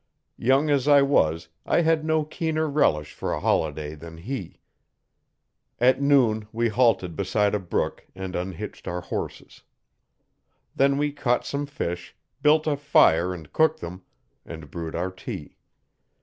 Young as I was I had no keener relish for a holiday than he. At noon we halted beside a brook and unhitched our horses. Then we caught some fish, built a fire and cooked them, and brewed our tea.